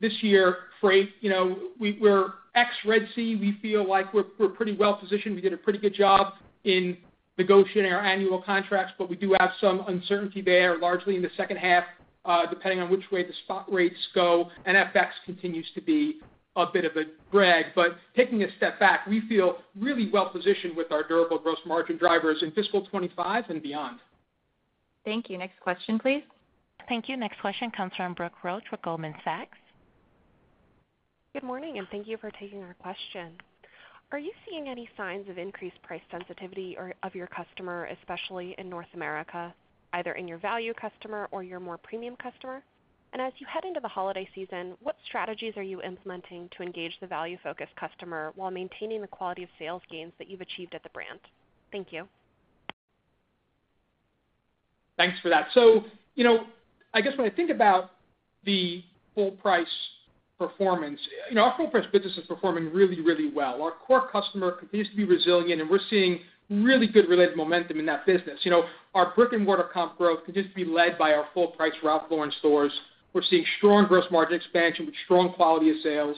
this year, freight, we're ex-Red Sea. We feel like we're pretty well-positioned. We did a pretty good job in negotiating our annual contracts, but we do have some uncertainty there, largely in the second half, depending on which way the spot rates go. And FX continues to be a bit of a drag. But taking a step back, we feel really well-positioned with our durable gross margin drivers in fiscal 2025 and beyond. Thank you. Next question, please. Thank you. Next question comes from Brooke Roach with Goldman Sachs. Good morning, and thank you for taking our question. Are you seeing any signs of increased price sensitivity of your customer, especially in North America, either in your value customer or your more premium customer? As you head into the holiday season, what strategies are you implementing to engage the value-focused customer while maintaining the quality of sales gains that you've achieved at the brand? Thank you. Thanks for that. So I guess when I think about the full-price performance, our full-price business is performing really, really well. Our core customer continues to be resilient, and we're seeing really good related momentum in that business. Our brick-and-mortar comp growth continues to be led by our full-price Ralph Lauren stores. We're seeing strong gross margin expansion with strong quality of sales.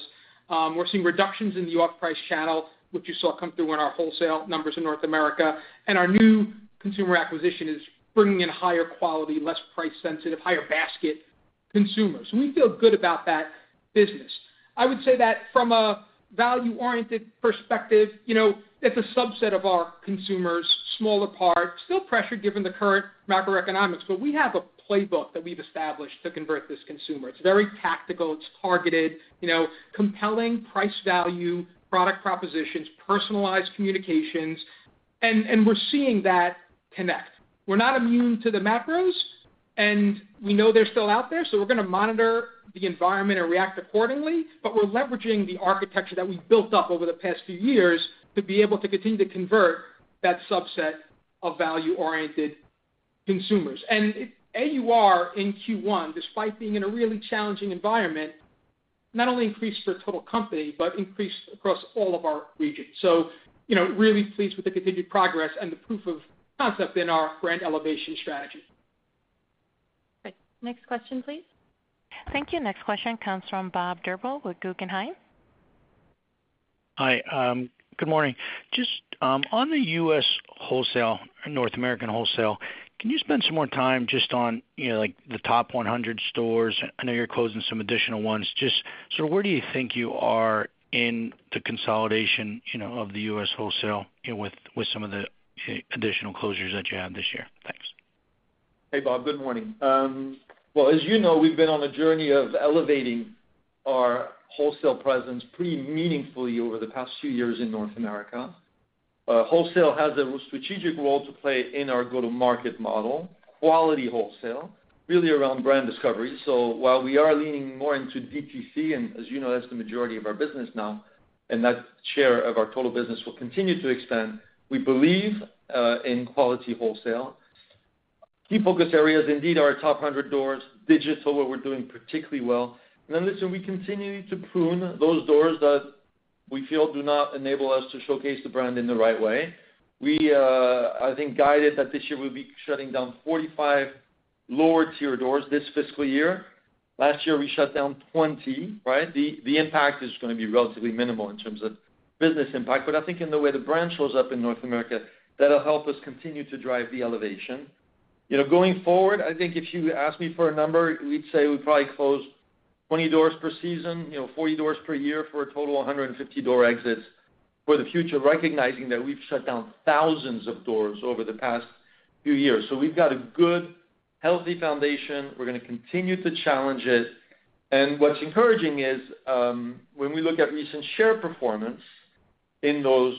We're seeing reductions in the off-price channel, which you saw come through in our wholesale numbers in North America. Our new consumer acquisition is bringing in higher quality, less price-sensitive, higher basket consumers. So we feel good about that business. I would say that from a value-oriented perspective, it's a subset of our consumers, smaller part, still pressured given the current macroeconomics. But we have a playbook that we've established to convert this consumer. It's very tactical. It's targeted, compelling price value, product propositions, personalized communications. And we're seeing that connect. We're not immune to the macros, and we know they're still out there. So we're going to monitor the environment and react accordingly. But we're leveraging the architecture that we built up over the past few years to be able to continue to convert that subset of value-oriented consumers. And AUR in Q1, despite being in a really challenging environment, not only increased for total company, but increased across all of our regions. So really pleased with the continued progress and the proof of concept in our brand elevation strategy. Great. Next question, please. Thank you. Next question comes from Bob Drbul with Guggenheim. Hi. Good morning. Just on the U.S. wholesale, North American wholesale, can you spend some more time just on the top 100 stores? I know you're closing some additional ones. Just sort of where do you think you are in the consolidation of the US wholesale with some of the additional closures that you have this year? Thanks. Hey, Bob. Good morning. Well, as you know, we've been on a journey of elevating our wholesale presence pretty meaningfully over the past few years in North America. Wholesale has a strategic role to play in our go-to-market model, quality wholesale, really around brand discovery. So while we are leaning more into DTC, and as you know, that's the majority of our business now, and that share of our total business will continue to expand, we believe in quality wholesale. Key focus areas indeed are our top 100 doors, digital, where we're doing particularly well. And then listen, we continue to prune those doors that we feel do not enable us to showcase the brand in the right way. We are guided that this year we'll be shutting down 45 lower-tier doors this fiscal year. Last year, we shut down 20, right? The impact is going to be relatively minimal in terms of business impact. But I think in the way the brand shows up in North America, that'll help us continue to drive the elevation. Going forward, I think if you ask me for a number, we'd say we probably close 20 doors per season, 40 doors per year for a total of 150 door exits for the future, recognizing that we've shut down thousands of doors over the past few years. So we've got a good, healthy foundation. We're going to continue to challenge it. What's encouraging is when we look at recent share performance in those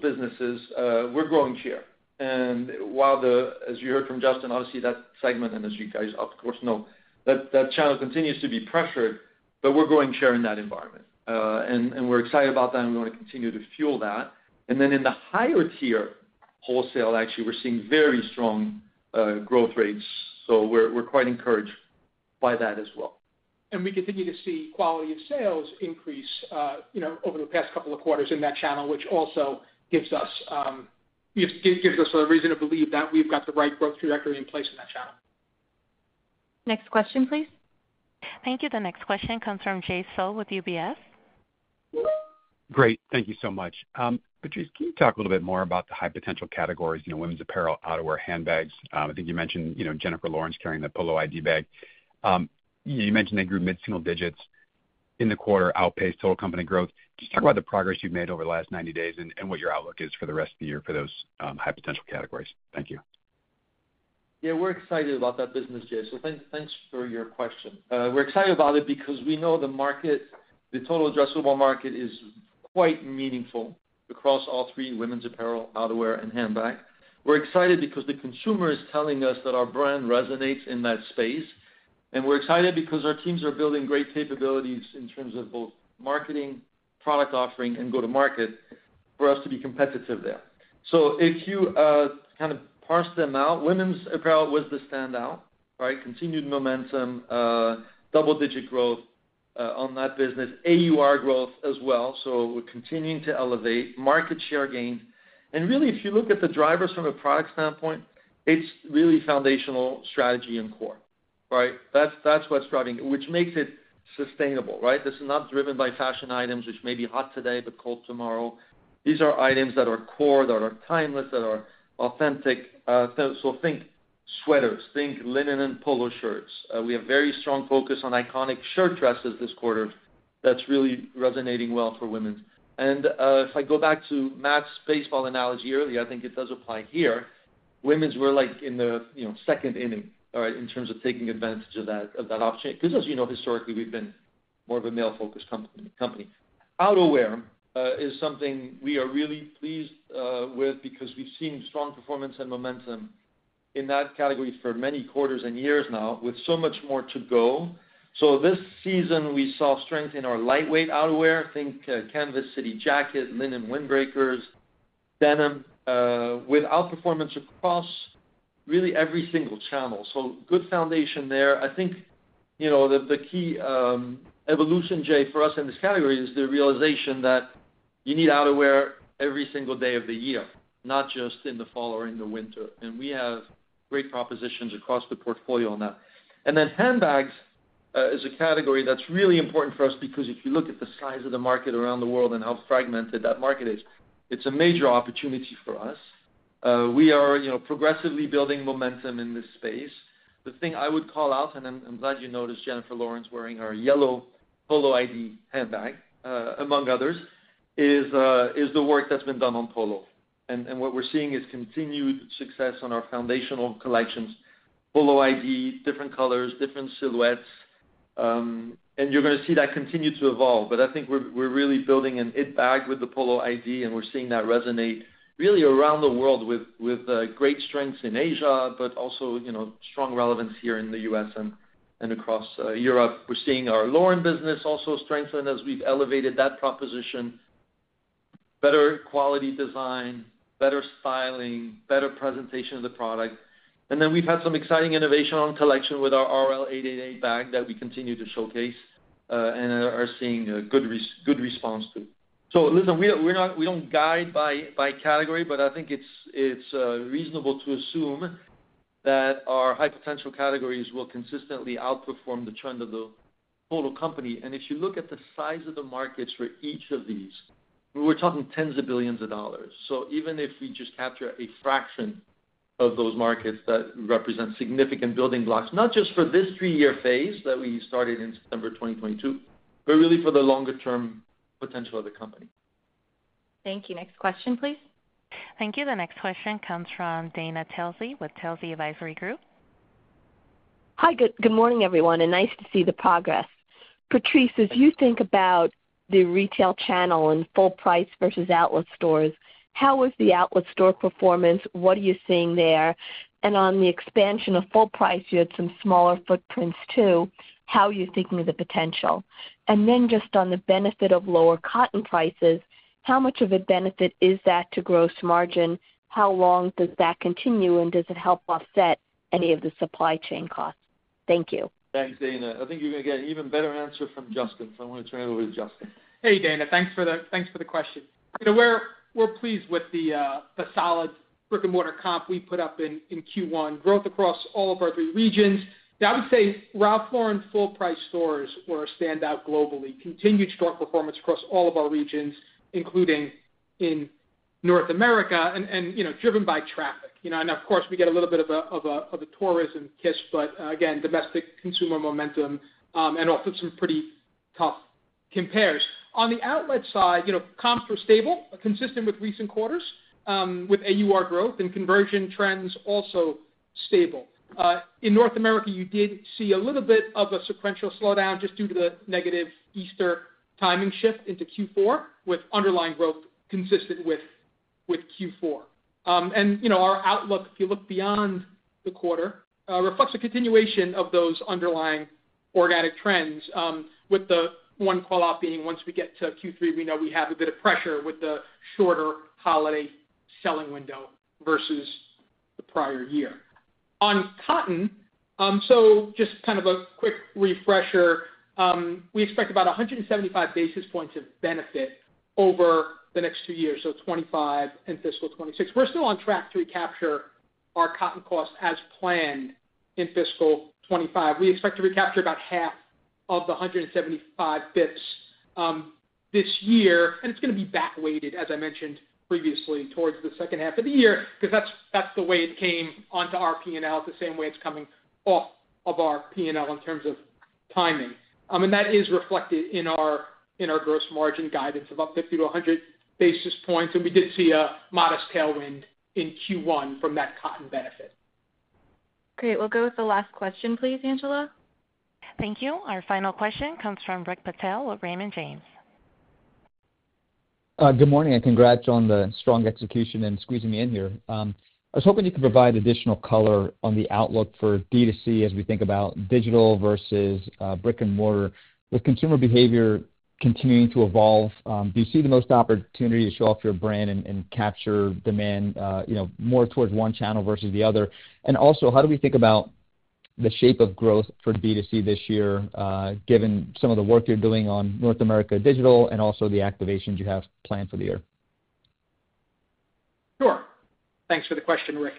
businesses, we're growing share. While the, as you heard from Justin, obviously that segment, and as you guys of course know, that channel continues to be pressured, but we're growing share in that environment. We're excited about that, and we want to continue to fuel that. Then in the higher-tier wholesale, actually, we're seeing very strong growth rates. So we're quite encouraged by that as well. We continue to see quality of sales increase over the past couple of quarters in that channel, which also gives us a reason to believe that we've got the right growth trajectory in place in that channel. Next question, please. Thank you. The next question comes from Jay Sole with UBS. Great. Thank you so much. Patrice, can you talk a little bit more about the high-potential categories? Women's apparel, outerwear, handbags. I think you mentioned Jennifer Lawrence carrying the Polo ID bag. You mentioned they grew mid-single digits in the quarter, outpaced total company growth. Just talk about the progress you've made over the last 90 days and what your outlook is for the rest of the year for those high-potential categories. Thank you. Yeah, we're excited about that business, Jay. So thanks for your question. We're excited about it because we know the market, the total addressable market is quite meaningful across all three: women's apparel, outerwear, and handbag. We're excited because the consumer is telling us that our brand resonates in that space. And we're excited because our teams are building great capabilities in terms of both marketing, product offering, and go-to-market for us to be competitive there. So if you kind of parse them out, women's apparel was the standout, right? Continued momentum, double-digit growth on that business, AUR growth as well. So we're continuing to elevate market share gains. And really, if you look at the drivers from a product standpoint, it's really foundational strategy and core, right? That's what's driving it, which makes it sustainable, right? This is not driven by fashion items, which may be hot today but cold tomorrow. These are items that are core, that are timeless, that are authentic. So think sweaters, think linen and polo shirts. We have a very strong focus on iconic shirt dresses this quarter that's really resonating well for women. And if I go back to Matt's baseball analogy earlier, I think it does apply here. Women's were like in the second inning, right, in terms of taking advantage of that opportunity. Because as you know, historically, we've been more of a male-focused company. Outerwear is something we are really pleased with because we've seen strong performance and momentum in that category for many quarters and years now, with so much more to go. So this season, we saw strength in our lightweight outerwear. Think Canvas City Jacket, linen windbreakers, denim, with outperformance across really every single channel. So good foundation there. I think the key evolution, Jay, for us in this category is the realization that you need outerwear every single day of the year, not just in the fall or in the winter. And we have great propositions across the portfolio on that. And then handbags is a category that's really important for us because if you look at the size of the market around the world and how fragmented that market is, it's a major opportunity for us. We are progressively building momentum in this space. The thing I would call out, and I'm glad you noticed Jennifer Lawrence wearing our yellow Polo ID handbag, among others, is the work that's been done on Polo. What we're seeing is continued success on our foundational collections: Polo ID, different colors, different silhouettes. You're going to see that continue to evolve. But I think we're really building an it bag with the Polo ID, and we're seeing that resonate really around the world with great strengths in Asia, but also strong relevance here in the U.S. and across Europe. We're seeing our Lauren business also strengthen as we've elevated that proposition: better quality design, better styling, better presentation of the product. Then we've had some exciting innovation on collection with our RL 888 bag that we continue to showcase and are seeing a good response to. So listen, we don't guide by category, but I think it's reasonable to assume that our high-potential categories will consistently outperform the trend of the total company. If you look at the size of the markets for each of these, we're talking tens of billions of dollars. Even if we just capture a fraction of those markets that represent significant building blocks, not just for this three-year phase that we started in September 2022, but really for the longer-term potential of the company. Thank you. Next question, please. Thank you. The next question comes from Dana Telsey with Telsey Advisory Group. Hi. Good morning, everyone. Nice to see the progress. Patrice, as you think about the retail channel and full-price versus outlet stores, how was the outlet store performance? What are you seeing there? And on the expansion of full-price, you had some smaller footprints too. How are you thinking of the potential? And then just on the benefit of lower cotton prices, how much of a benefit is that to gross margin? How long does that continue, and does it help offset any of the supply chain costs? Thank you. Thanks, Dana. I think you're going to get an even better answer from Justin. So I want to turn it over to Justin. Hey, Dana. Thanks for the question. We're pleased with the solid brick-and-mortar comp we put up in Q1, growth across all of our three regions. I would say Ralph Lauren full-price stores were a standout globally, continued strong performance across all of our regions, including in North America, and driven by traffic. And of course, we get a little bit of a tourism kiss, but again, domestic consumer momentum and also some pretty tough compares. On the outlet side, comps were stable, consistent with recent quarters, with AUR growth and conversion trends also stable. In North America, you did see a little bit of a sequential slowdown just due to the negative Easter timing shift into Q4, with underlying growth consistent with Q4. Our outlook, if you look beyond the quarter, reflects a continuation of those underlying organic trends, with the one callout being once we get to Q3, we know we have a bit of pressure with the shorter holiday selling window versus the prior year. On cotton, so just kind of a quick refresher, we expect about 175 basis points of benefit over the next two years, so 2025 and fiscal 2026. We're still on track to recapture our cotton costs as planned in fiscal 2025. We expect to recapture about half of the 175 basis points this year. And it's going to be backweighted, as I mentioned previously, towards the second half of the year because that's the way it came onto our P&L, the same way it's coming off of our P&L in terms of timing. And that is reflected in our gross margin guidance of up 50-100 basis points. And we did see a modest tailwind in Q1 from that cotton benefit. Great. We'll go with the last question, please, Angela. Thank you. Our final question comes from Rick Patel with Raymond James. Good morning and congrats on the strong execution and squeezing me in here. I was hoping you could provide additional color on the outlook for B2C as we think about digital versus brick-and-mortar, with consumer behavior continuing to evolve. Do you see the most opportunity to show off your brand and capture demand more towards one channel versus the other? And also, how do we think about the shape of growth for B2C this year, given some of the work you're doing on North America digital and also the activations you have planned for the year? Sure. Thanks for the question, Rick.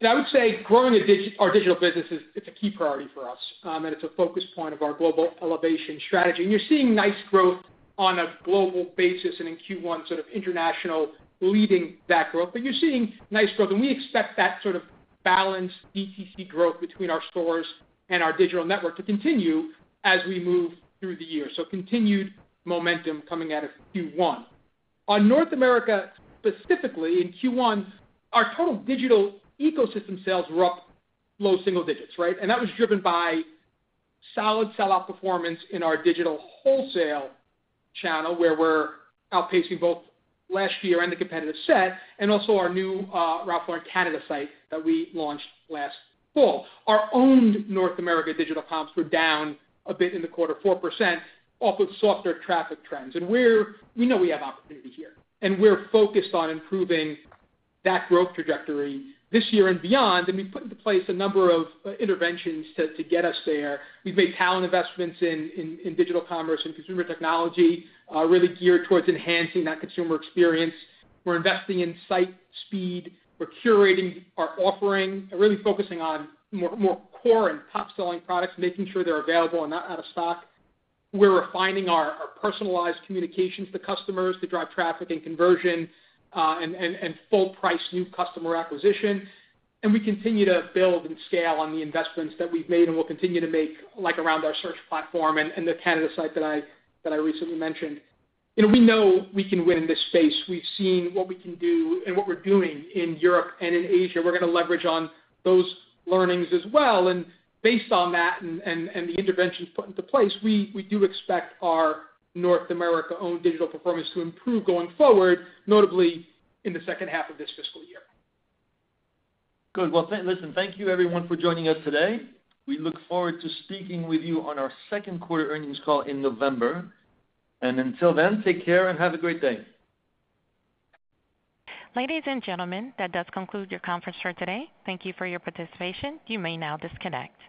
And I would say growing our digital business is a key priority for us, and it's a focus point of our global elevation strategy. And you're seeing nice growth on a global basis and in Q1, sort of international leading that growth. But you're seeing nice growth. And we expect that sort of balanced DTC growth between our stores and our digital network to continue as we move through the year. So continued momentum coming out of Q1. On North America specifically, in Q1, our total digital ecosystem sales were up low single digits, right? That was driven by solid sell-out performance in our digital wholesale channel, where we're outpacing both last year and the competitive set, and also our new Ralph Lauren Canada site that we launched last fall. Our owned North America digital comps were down a bit in the quarter, 4%, off of softer traffic trends. We know we have opportunity here. We're focused on improving that growth trajectory this year and beyond. We've put into place a number of interventions to get us there. We've made talent investments in digital commerce and consumer technology, really geared towards enhancing that consumer experience. We're investing in site speed. We're curating our offering, really focusing on more core and top-selling products, making sure they're available and not out of stock. We're refining our personalized communications to customers to drive traffic and conversion and full-price new customer acquisition. And we continue to build and scale on the investments that we've made and will continue to make around our search platform and the Canada site that I recently mentioned. We know we can win in this space. We've seen what we can do and what we're doing in Europe and in Asia. We're going to leverage on those learnings as well. And based on that and the interventions put into place, we do expect our North America-owned digital performance to improve going forward, notably in the second half of this fiscal year. Good. Well, listen, thank you, everyone, for joining us today. We look forward to speaking with you on our second quarter earnings call in November. And until then, take care and have a great day. Ladies and gentlemen, that does conclude your conference for today. Thank you for your participation. You may now disconnect.